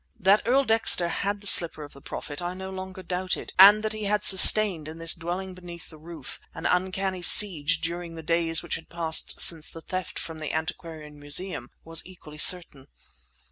That Earl Dexter had the slipper of the Prophet I no longer doubted, and that he had sustained, in this dwelling beneath the roof, an uncanny siege during the days which had passed since the theft from the Antiquarian Museum, was equally certain.